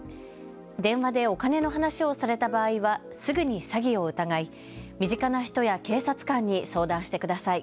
電話でお金の話をされた場合はすぐに詐欺を疑い、身近な人や警察官に相談してください。